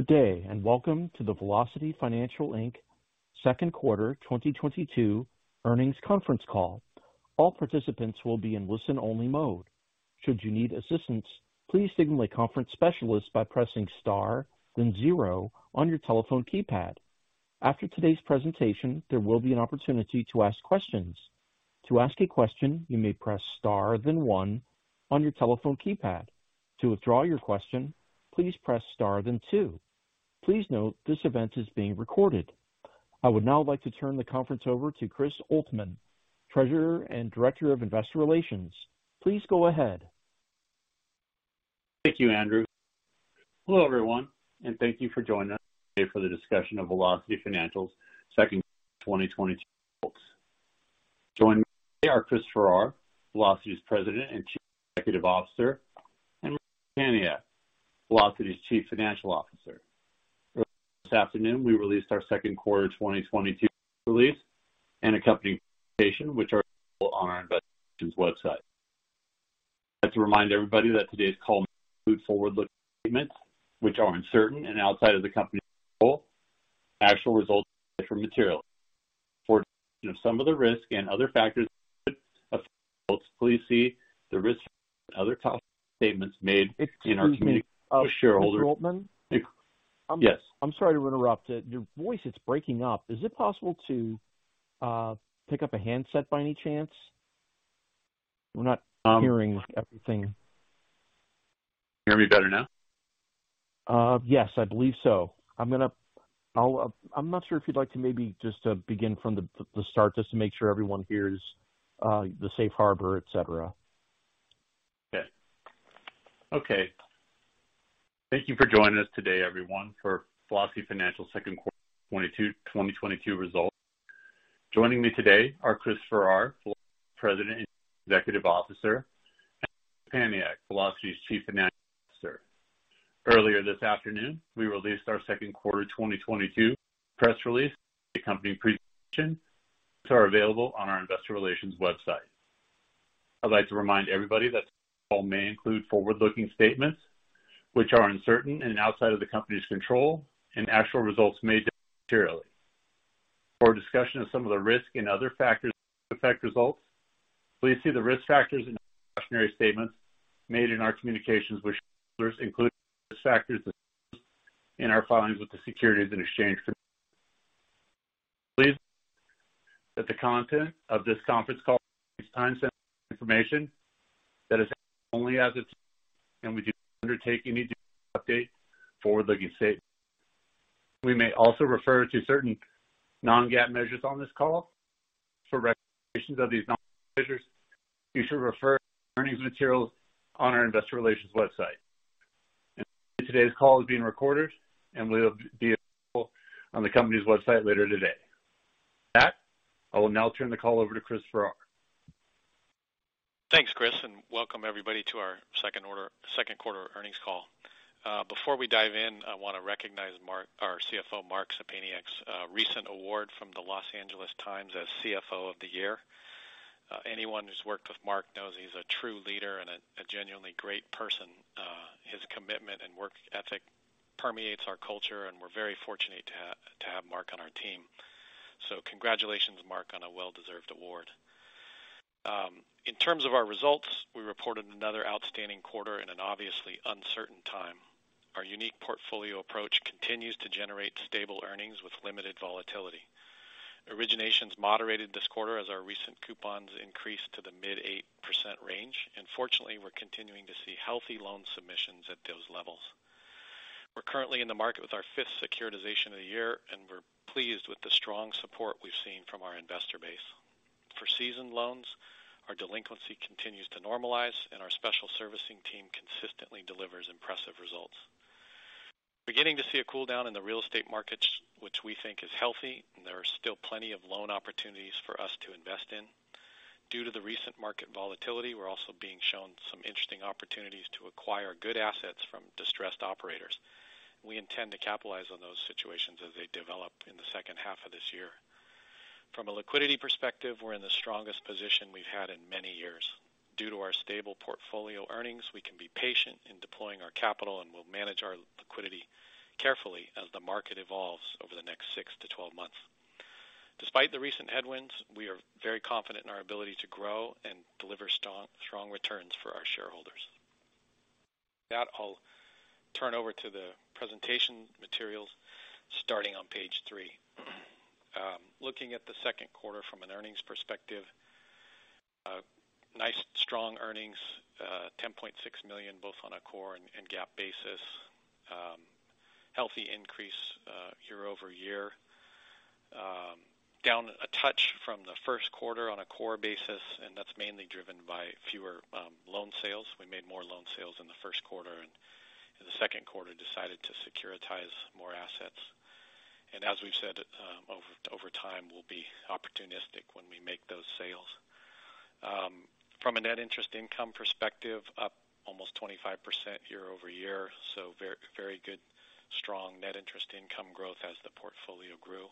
Good day, and welcome to the Velocity Financial, Inc. second quarter 2022 earnings conference call. All participants will be in listen-only mode. Should you need assistance, please signal a conference specialist by pressing star then zero on your telephone keypad. After today's presentation, there will be an opportunity to ask questions. To ask a question, you may press star then one on your telephone keypad. To withdraw your question, please press star then two. Please note this event is being recorded. I would now like to turn the conference over to Chris Oltmann, Treasurer and Director of Investor Relations. Please go ahead. Thank you, Andrew. Hello, everyone, and thank you for joining us today for the discussion of Velocity Financial's second quarter 2022 results. Joining me today are Chris Farrar, Velocity's President and Chief Executive Officer, and Mark Szczepaniak, Velocity's Chief Financial Officer. Earlier this afternoon, we released our second quarter 2022 release and accompanying presentation, which are available on our Investor Relations website. I'd like to remind everybody that today's call may include forward-looking statements, which are uncertain and outside of the company's control. Actual results may differ materially. For discussion of some of the risk and other factors that could affect results, please see the risk factors and other talks and statements made in our communications with shareholders. Excuse me, Mr. Oltmann. Yes. I'm sorry to interrupt. Your voice is breaking up. Is it possible to pick up a handset by any chance? We're not hearing everything. Can you hear me better now? Yes, I believe so. I'm not sure if you'd like to maybe just begin from the start just to make sure everyone hears the safe harbor, et cetera. Okay. Thank you for joining us today, everyone, for Velocity Financial second quarter 2022 results. Joining me today are Chris Farrar, Velocity's President and Chief Executive Officer, and Mark Szczepaniak, Velocity's Chief Financial Officer. Earlier this afternoon, we released our second quarter 2022 press release, accompanying presentation. Those are available on our investor relations website. I'd like to remind everybody that today's call may include forward-looking statements, which are uncertain and outside of the company's control, and actual results may differ materially. For a discussion of some of the risk and other factors that could affect results, please see the risk factors and cautionary statements made in our communications with shareholders, including risk factors disclosed in our filings with the Securities and Exchange Commission. Please note that the content of this conference call contains time-sensitive information that is accurate only as of today, and we do not undertake any duty to update forward-looking statements. We may also refer to certain non-GAAP measures on this call. For representations of these non-measures, you should refer to earnings materials on our investor relations website. Today's call is being recorded and will be available on the company's website later today. With that, I will now turn the call over to Chris Farrar. Thanks, Chris, and welcome everybody to our second quarter earnings call. Before we dive in, I wanna recognize Mark, our CFO, Mark Szczepaniak's recent award from the Los Angeles Times as CFO of the Year. Anyone who's worked with Mark knows he's a true leader and a genuinely great person. His commitment and work ethic permeates our culture, and we're very fortunate to have Mark on our team. Congratulations, Mark, on a well-deserved award. In terms of our results, we reported another outstanding quarter in an obviously uncertain time. Our unique portfolio approach continues to generate stable earnings with limited volatility. Originations moderated this quarter as our recent coupons increased to the mid-8% range. Fortunately, we're continuing to see healthy loan submissions at those levels. We're currently in the market with our fifth securitization of the year, and we're pleased with the strong support we've seen from our investor base. For seasoned loans, our delinquency continues to normalize, and our special servicing team consistently delivers impressive results. Beginning to see a cool down in the real estate markets, which we think is healthy, and there are still plenty of loan opportunities for us to invest in. Due to the recent market volatility, we're also being shown some interesting opportunities to acquire good assets from distressed operators. We intend to capitalize on those situations as they develop in the second half of this year. From a liquidity perspective, we're in the strongest position we've had in many years. Due to our stable portfolio earnings, we can be patient in deploying our capital, and we'll manage our liquidity carefully as the market evolves over the next six to 12 months. Despite the recent headwinds, we are very confident in our ability to grow and deliver strong returns for our shareholders. With that, I'll turn over to the presentation materials starting on page three. Looking at the second quarter from an earnings perspective, nice strong earnings, $10.6 million, both on a core and GAAP basis. Healthy increase, year-over-year. Down a touch from the first quarter on a core basis, and that's mainly driven by fewer loan sales. We made more loan sales in the first quarter and in the second quarter decided to securitize more assets. As we've said, over time, we'll be opportunistic when we make those sales. From a net interest income perspective, up almost 25% year-over-year. Very good strong net interest income growth as the portfolio grew.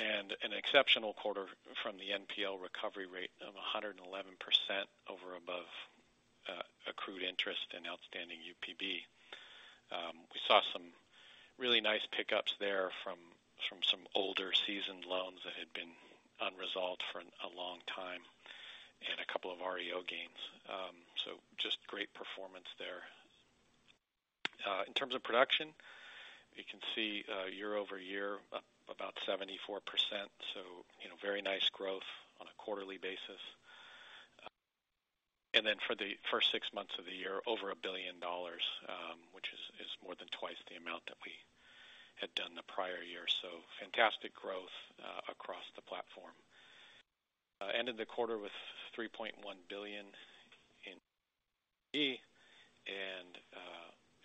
An exceptional quarter from the NPL recovery rate of 111% over and above accrued interest in outstanding UPB. We saw some really nice pickups there from some older seasoned loans that had been unresolved for a long time and a couple of REO gains. Just great performance there. In terms of production, you can see year-over-year up about 74%, so very nice growth on a quarterly basis. For the first six months of the year, over $1 billion, which is more than twice the amount that we had done the prior year. Fantastic growth across the platform. Ended the quarter with $3.1 billion in UPB.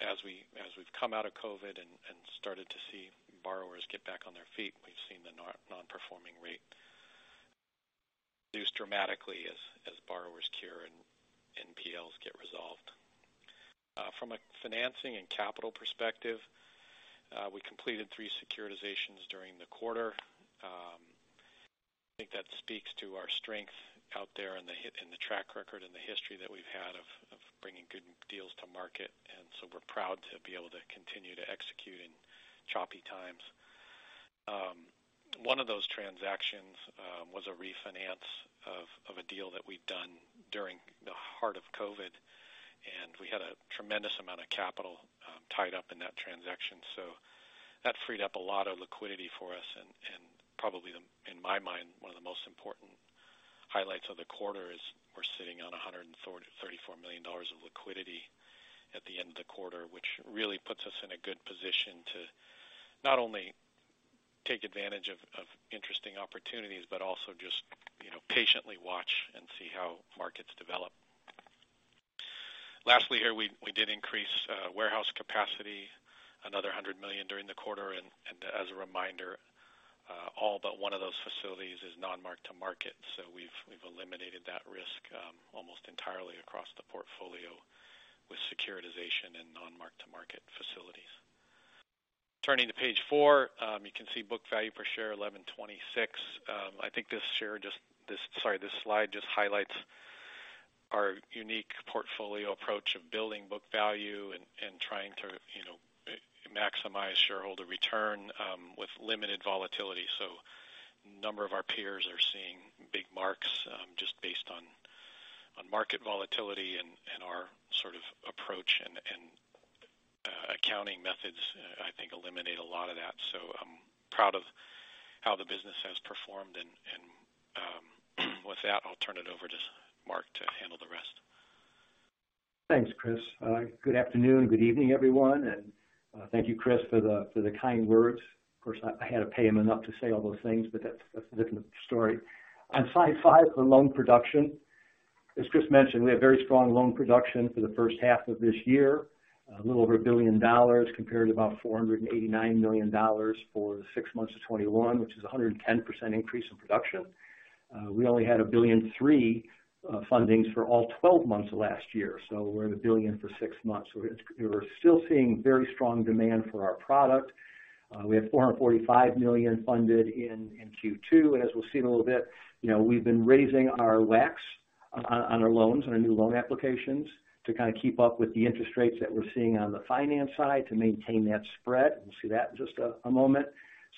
As we've come out of COVID-19 and started to see borrowers get back on their feet, we've seen the non-performing rate reduce dramatically as borrowers cure and NPLs get resolved. From a financing and capital perspective, we completed three securitizations during the quarter. I think that speaks to our strength out there in the track record and the history that we've had of bringing good deals to market. We're proud to be able to continue to execute in choppy times. One of those transactions was a refinance of a deal that we'd done during the heart of COVID-19, and we had a tremendous amount of capital tied up in that transaction. That freed up a lot of liquidity for us. In my mind, one of the most important highlights of the quarter is we're sitting on $134 million of liquidity at the end of the quarter, which really puts us in a good position to not only take advantage of interesting opportunities, but also just, you know, patiently watch and see how markets develop. Lastly, here, we did increase warehouse capacity, another $100 million during the quarter. As a reminder, all but one of those facilities is non-mark-to-market. We've eliminated that risk almost entirely across the portfolio with securitization and non-mark-to-market facilities. Turning to page four, you can see book value per share $11.26. I think this slide just highlights our unique portfolio approach of building book value and trying to, you know, maximize shareholder return with limited volatility. A number of our peers are seeing big marks just based on market volatility, and our sort of approach and accounting methods, I think, eliminate a lot of that. I'm proud of how the business has performed. With that, I'll turn it over to Mark to handle the rest. Thanks, Chris. Good afternoon, good evening, everyone. Thank you, Chris, for the kind words. Of course, I had to pay him enough to say all those things, but that's a different story. On slide five for loan production. As Chris mentioned, we have very strong loan production for the first half of this year. A little over $1 billion compared to about $489 million for the six months of 2021, which is a 110% increase in production. We only had $1.3 billion fundings for all 12 months of last year. So, we're at $1 billion for six months, we're still seeing very strong demand for our product. We have $445 million funded in Q2. As we'll see in a little bit, you know, we've been raising our WACs on our loans, on our new loan applications to kind of keep up with the interest rates that we're seeing on the finance side to maintain that spread. We'll see that in just a moment.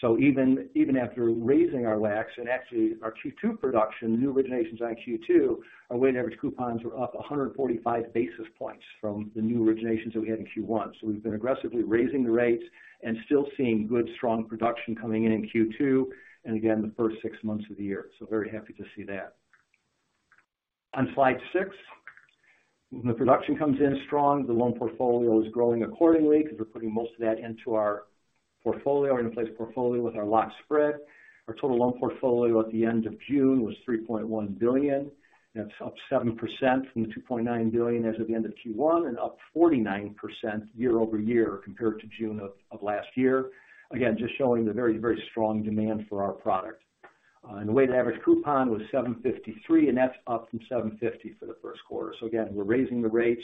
Even after raising our WACs and actually our Q2 production, new originations on Q2, our weighted average coupons were up 145 basis points from the new originations that we had in Q1. We've been aggressively raising the rates and still seeing good, strong production coming in in Q2 and again, the first six months of the year. Very happy to see that. On slide six, when the production comes in strong, the loan portfolio is growing accordingly because we're putting most of that into our portfolio, in place portfolio with our locked spread. Our total loan portfolio at the end of June was $3.1 billion. That's up 7% from the $2.9 billion as at the end of Q1, and up 49% year-over-year compared to June of last year. Again, just showing the very, very strong demand for our product. And the weighted average coupon was 7.53%, and that's up from 7.50% for the first quarter. Again, we're raising the rates,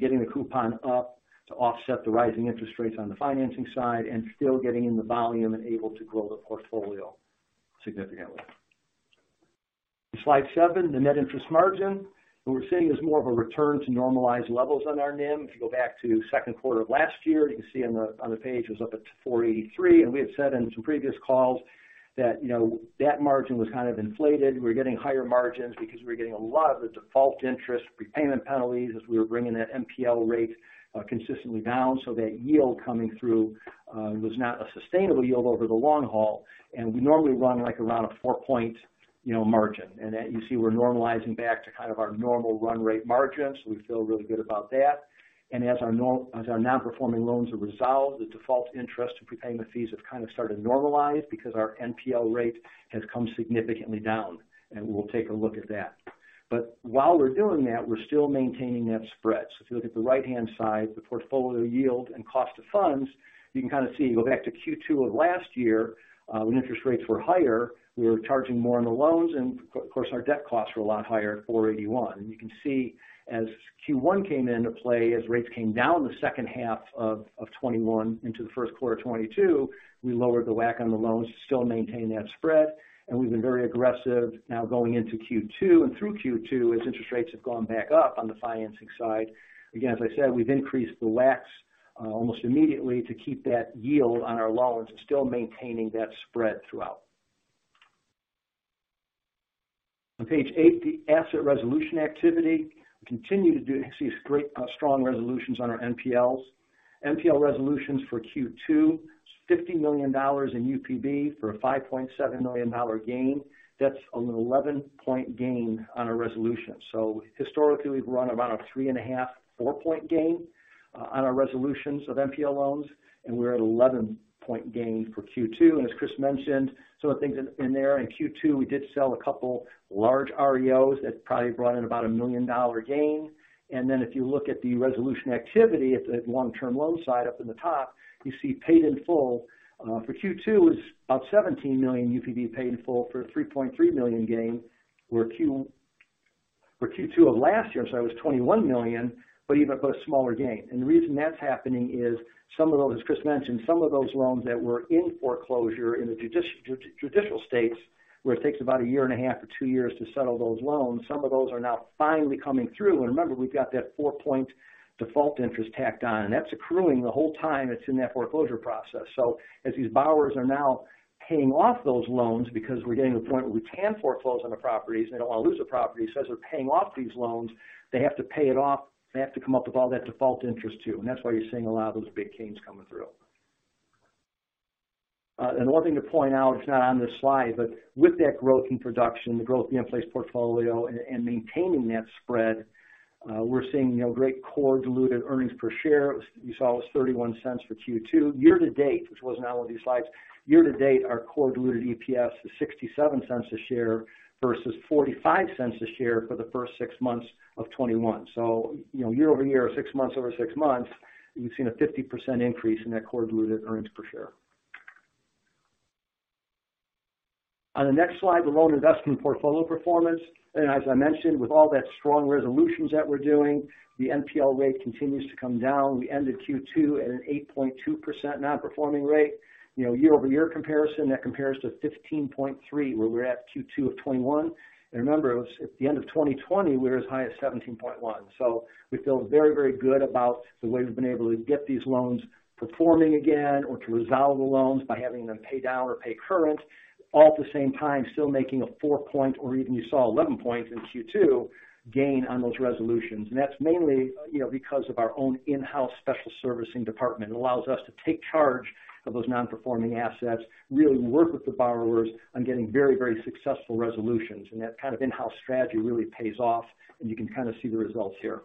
getting the coupon up to offset the rising interest rates on the financing side and still getting in the volume and able to grow the portfolio significantly. Slide seven, the net interest margin. What we're seeing is more of a return to normalized levels on our NIM. If you go back to second quarter of last year, you can see on the page it was up at 4.83%. We had said in some previous calls that, you know, that margin was kind of inflated. We were getting higher margins because we were getting a lot of the default interest prepayment penalties as we were bringing that NPL rate consistently down. That yield coming through was not a sustainable yield over the long haul. We normally run like around a 4-point, you know, margin. That you see we're normalizing back to kind of our normal run rate margin. We feel really good about that. As our non-performing loans are resolved, the default interest and prepayment fees have kind of started to normalize because our NPL rate has come significantly down, and we'll take a look at that. While we're doing that, we're still maintaining that spread. If you look at the right-hand side, the portfolio yield and cost of funds, you can kind of see, go back to Q2 of last year, when interest rates were higher, we were charging more on the loans, and of course, our debt costs were a lot higher at 4.81%. You can see as Q1 came into play, as rates came down the second half of 2021 into the first quarter of 2022, we lowered the WAC on the loans to still maintain that spread. We've been very aggressive now going into Q2 and through Q2 as interest rates have gone back up on the financing side. Again, as I said, we've increased the WACs, almost immediately to keep that yield on our loans and still maintaining that spread throughout. On page eight, the asset resolution activity. We continue to see strong resolutions on our NPLs. NPL resolutions for Q2, $50 million in UPB for a $5.7 million gain. That's an 11-point gain on our resolution. Historically, we've run around a 3.5, 4-point gain on our resolutions of NPL loans, and we're at 11-point gain for Q2. As Chris mentioned, some of the things in there in Q2, we did sell a couple large REOs that probably brought in about a $1 million gain. If you look at the resolution activity at the long-term loan side up in the top, you see paid in full for Q2 is about $17 million UPB paid in full for a $3.3 million gain, where Q2 of last year, so that was $21 million, but a smaller gain. The reason that's happening is some of those, as Chris mentioned, some of those loans that were in foreclosure in the judicial states, where it takes about a year and a half to two years to settle those loans, some of those are now finally coming through. Remember, we've got that 4 point default interest tacked on, and that's accruing the whole time it's in that foreclosure process. As these borrowers are now paying off those loans because we're getting to the point where we can foreclose on the properties, they don't want to lose the property, so as they're paying off these loans, they have to pay it off, they have to come up with all that default interest too, and that's why you're seeing a lot of those big gains coming through. One thing to point out, it's not on this slide, but with that growth in production, the growth of the in-place portfolio and maintaining that spread, we're seeing, you know, great core diluted earnings per share. You saw it was $0.31 for Q2. Year to date, which wasn't on one of these slides. Year to date, our core diluted EPS is $0.67 a share versus $0.45 a share for the first six months of 2021. You know, year-over-year or six-months-over-six-months, you've seen a 50% increase in that core diluted earnings per share. On the next slide, the loan investment portfolio performance. As I mentioned, with all those strong resolutions that we're doing, the NPL rate continues to come down. We ended Q2 at an 8.2% non-performing rate. You know, year-over-year comparison, that compares to 15.3%, where we're at Q2 of 2021. Remember, it was at the end of 2020, we were as high as 17.1%. We feel very, very good about the way we've been able to get these loans performing again or to resolve the loans by having them pay down or pay current, all at the same time, still making a 4-point or even you saw 11 points in Q2 gain on those resolutions. That's mainly, you know, because of our own in-house special servicing department. It allows us to take charge of those non-performing assets, really work with the borrowers on getting very, very successful resolutions. That kind of in-house strategy really pays off, and you can kind of see the results here.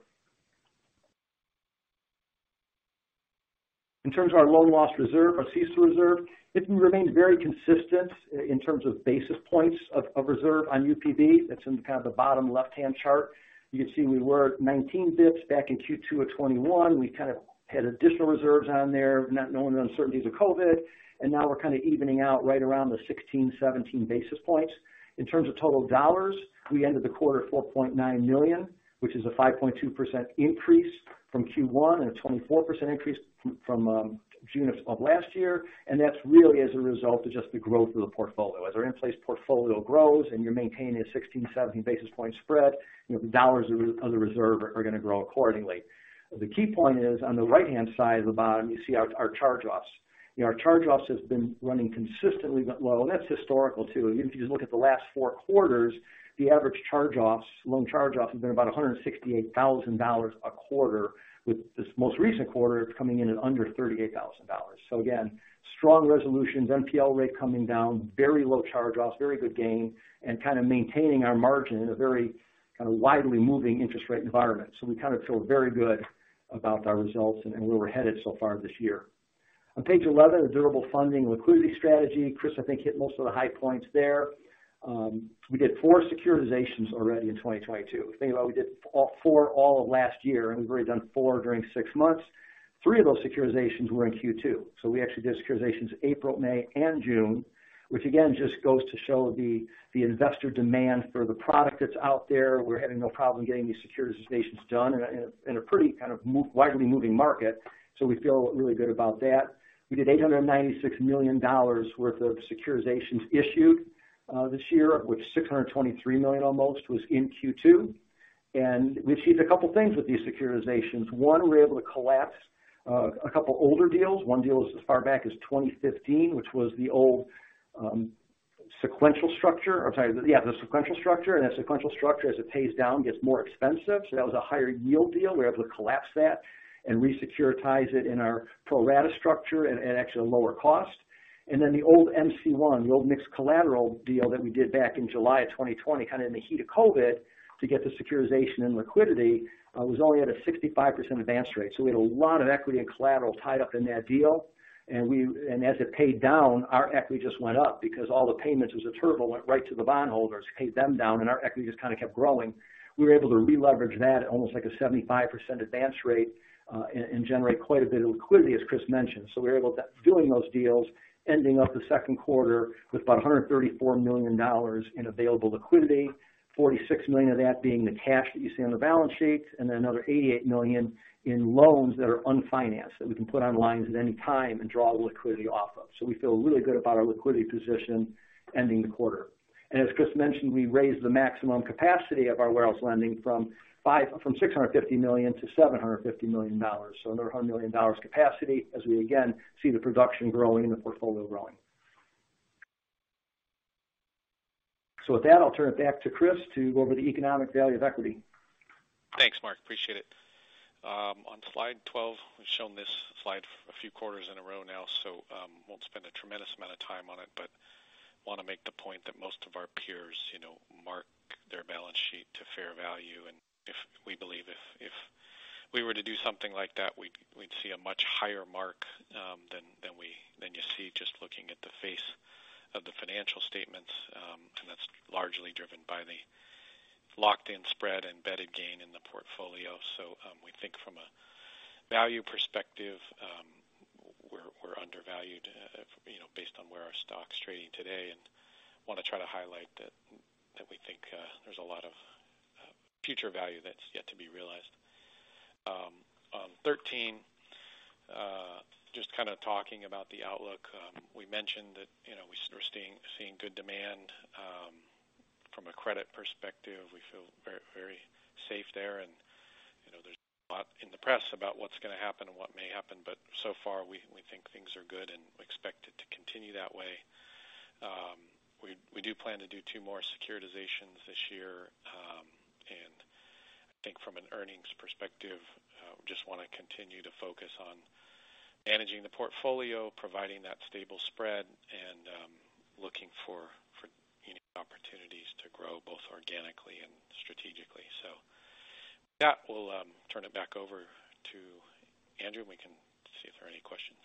In terms of our loan loss reserve, our CECL reserve, it remains very consistent in terms of basis points of reserve on UPB. That's in kind of the bottom left-hand chart. You can see we were at 19 basis points back in Q2 of 2021. We kind of had additional reserves on there, not knowing the uncertainties of COVID-19, and now we're kind of evening out right around the 16-17 basis points. In terms of total dollars, we ended the quarter at $4.9 million, which is a 5.2% increase from Q1 and a 24% increase from June of last year. That's really as a result of just the growth of the portfolio. As our in-place portfolio grows and you're maintaining a 16-17 basis point spread, you know, the dollars of the reserve are gonna grow accordingly. The key point is on the right-hand side of the bottom, you see our charge-offs. You know, our charge-offs has been running consistently low, and that's historical too. Even if you just look at the last four quarters, the average charge-offs, loan charge-offs have been about $168,000 a quarter, with this most recent quarter, it's coming in at under $38,000. Again, strong resolutions, NPL rate coming down, very low charge-offs, very good gain, and kind of maintaining our margin in a very kind of widely moving interest rate environment. We kind of feel very good about our results and where we're headed so far this year. On page 11, the durable funding liquidity strategy. Chris, I think, hit most of the high points there. We did four securitizations already in 2022. Think about we did four all of last year, and we've already done four during six months. Three of those securitizations were in Q2. We actually did securitizations April, May, and June, which again just goes to show the investor demand for the product that's out there. We're having no problem getting these securitizations done in a pretty kind of wildly moving market. We feel really good about that. We did $896 million worth of securitizations issued this year, of which $623 million almost was in Q2. We achieved a couple things with these securitizations. One, we were able to collapse a couple older deals. One deal was as far back as 2015, which was the old sequential structure. I'm sorry. Yeah, the sequential structure. That sequential structure, as it pays down, gets more expensive. That was a higher yield deal. We were able to collapse that and re-securitize it in our pro-rata structure at actually a lower cost. The old 2020-MC1, the old mixed collateral deal that we did back in July 2020, kind of in the heat of COVID-19 to get the securitization and liquidity, was only at a 65% advance rate. We had a lot of equity and collateral tied up in that deal. As it paid down, our equity just went up because all the payments as a whole went right to the bondholders, paid them down, and our equity just kind of kept growing. We were able to re-leverage that at almost like a 75% advance rate, and generate quite a bit of liquidity, as Chris mentioned. We were able to do those deals, ending up the second quarter with about $134 million in available liquidity, $46 million of that being the cash that you see on the balance sheet, and then another $88 million in loans that are unfinanced, that we can put on lines at any time and draw the liquidity off of. We feel really good about our liquidity position ending the quarter. As Chris mentioned, we raised the maximum capacity of our warehouse lending from $650 million-$750 million. Another $100 million capacity as we again see the production growing and the portfolio growing. With that, I'll turn it back to Chris to go over the economic value of equity. Thanks, Mark. Appreciate it. On slide 12, we've shown this slide a few quarters in a row now, so won't spend a tremendous amount of time on it, but wanna make the point that most of our peers, you know, mark their balance sheet to fair value. If we were to do something like that, we'd see a much higher mark than you see just looking at the face of the financial statements. That's largely driven by the locked in spread and embedded gain in the portfolio. We think from a value perspective, we're undervalued, you know, based on where our stock's trading today and wanna try to highlight that we think there's a lot of future value that's yet to be realized. On 13, just kind of talking about the outlook, we mentioned that, you know, we're seeing good demand from a credit perspective. We feel very, very safe there. You know, there's a lot in the press about what's gonna happen and what may happen, but so far, we think things are good and expect it to continue that way. We do plan to do two more securitizations this year. I think from an earnings perspective, we just wanna continue to focus on managing the portfolio, providing that stable spread, and looking for any opportunities to grow both organically and strategically. With that, we'll turn it back over to Andrew, and we can see if there are any questions.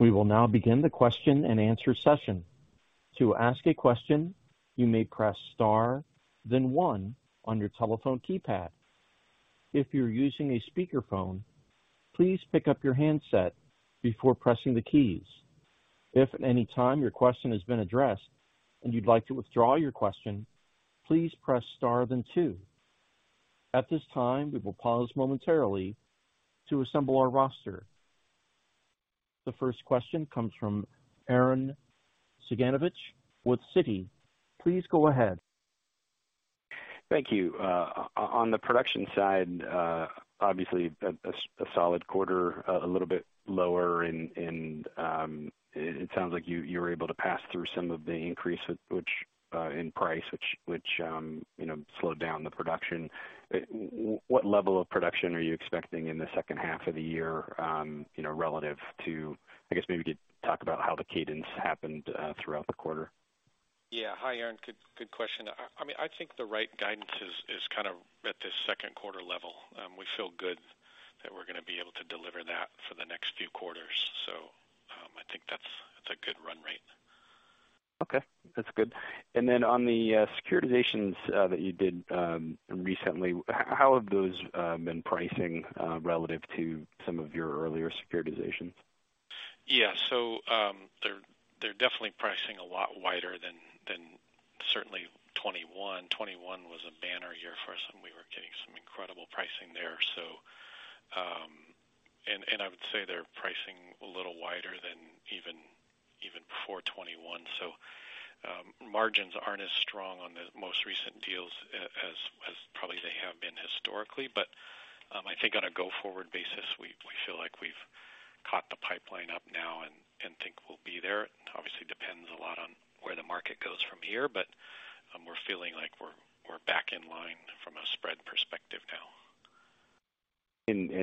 We will now begin the question-and-answer session. To ask a question, you may press star then one on your telephone keypad. If you're using a speakerphone, please pick up your handset before pressing the keys. If at any time your question has been addressed and you'd like to withdraw your question, please press star then two. At this time, we will pause momentarily to assemble our roster. The first question comes from Arren Cyganovich with Citi. Please go ahead. Thank you. On the production side, obviously a solid quarter, a little bit lower and it sounds like you were able to pass through some of the increase in price which you know slowed down the production. What level of production are you expecting in the second half of the year, you know, relative to-- I guess maybe you could talk about how the cadence happened throughout the quarter? Yeah. Hi, Arren. Good question. I mean, I think the right guidance is kind of at the second quarter level. We feel good that we're gonna be able to deliver that for the next few quarters. So, I think that's a good run rate. Okay, that's good. On the securitizations that you did recently, how have those been pricing relative to some of your earlier securitizations? Yeah, they're definitely pricing a lot wider than certainly 2021. 2021 was a banner year for us, and we were getting some incredible pricing there. I would say they're pricing a little wider than even before 2021. Margins aren't as strong on the most recent deals as probably they have been historically. But I think on a go-forward basis, we feel like we've caught the pipeline up now and think we'll be there. Obviously depends a lot on where the market goes from here, but we're feeling like we're back in line from a spread perspective now.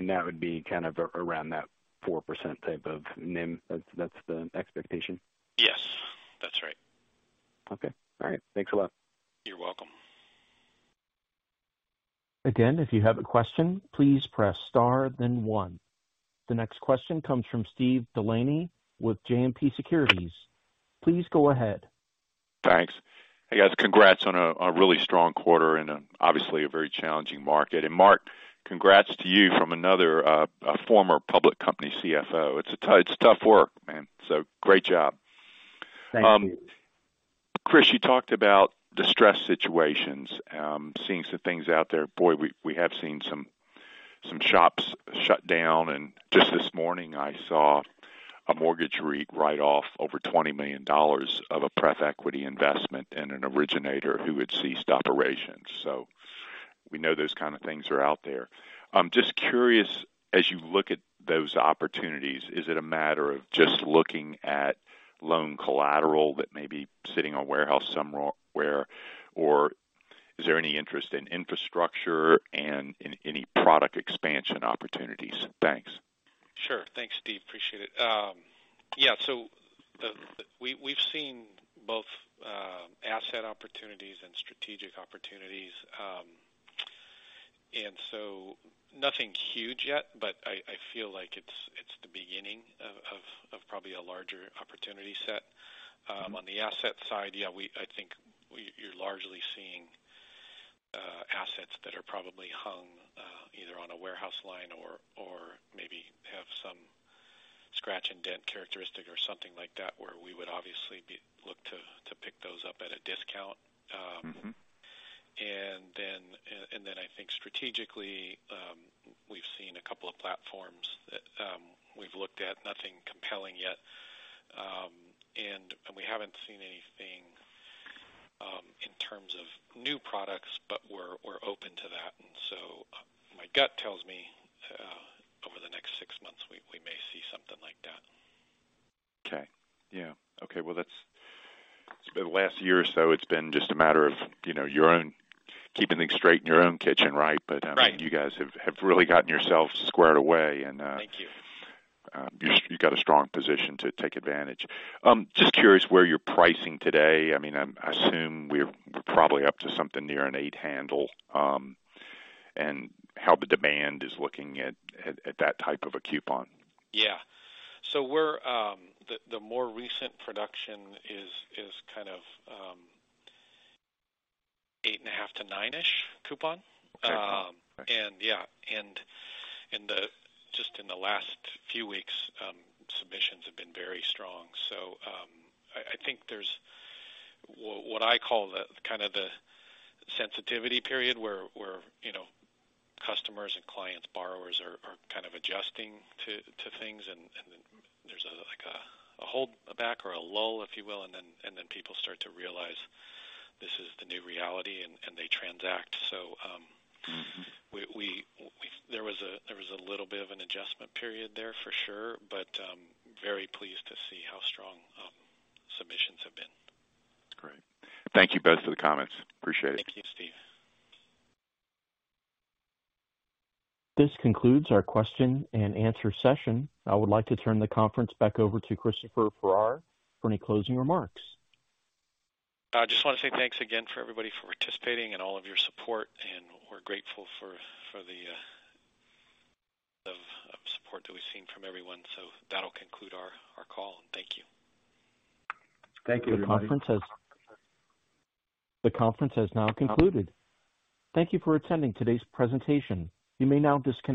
That would be kind of around that 4% type of NIM. That's the expectation? Yes, that's right. Okay. All right. Thanks a lot. You're welcome. Again, if you have a question, please press star then one. The next question comes from Steve Delaney with JMP Securities. Please go ahead. Thanks. Hey, guys. Congrats on a really strong quarter in an obviously very challenging market. Mark, congrats to you from another former public company CFO. It's tough work, man. Great job. Thank you. Chris, you talked about distress situations, seeing some things out there. Boy, we have seen some shops shut down. Just this morning, I saw a mortgage REIT write-off over $20 million of a preferred equity investment in an originator who had ceased operations. We know those kinds of things are out there. I'm just curious, as you look at those opportunities, is it a matter of just looking at loan collateral that may be sitting on a warehouse somewhere? Or is there any interest in infrastructure and in any product expansion opportunities? Thanks. Sure. Thanks, Steve. Appreciate it. Yeah, we've seen both asset opportunities and strategic opportunities. Nothing huge yet, but I feel like it's the beginning of probably a larger opportunity set. On the asset side, yeah, I think you're largely seeing assets that are probably hung either on a warehouse line or maybe have some scratch and dent characteristic or something like that, where we would obviously look to pick those up at a discount. Mm-hmm. I think strategically, we've seen a couple of platforms that we've looked at. Nothing compelling yet. We haven't seen anything in terms of new products, but we're open to that. My gut tells me over the next six months, we may see something like that. Okay. Yeah. Okay. Well, that's the last year or so, it's been just a matter of, you know, your own keeping things straight in your own kitchen, right? Right. I mean, you guys have really gotten yourselves squared away and. Thank you. You got a strong position to take advantage. Just curious where you're pricing today. I mean, I assume we're probably up to something near an 8 handle, and how the demand is looking at that type of a coupon. Yeah. The more recent production is kind of 8.5%-9%-ish coupon. Okay. Yeah. In the last few weeks, submissions have been very strong. I think there's what I call the kind of the sensitivity period where you know, customers and clients, borrowers are kind of adjusting to things and then there's a, like a hold back or a lull, if you will, and then people start to realize this is the new reality and they transact. Mm-hmm. There was a little bit of an adjustment period there for sure, but very pleased to see how strong submissions have been. That's great. Thank you both for the comments. Appreciate it. Thank you, Steve. This concludes our question-and-answer session. I would like to turn the conference back over to Chris Farrar for any closing remarks. I just wanna say thanks again for everybody for participating and all of your support, and we're grateful for the support that we've seen from everyone. That'll conclude our call and thank you. Thank you, everybody. The conference has now concluded. Thank you for attending today's presentation. You may now disconnect.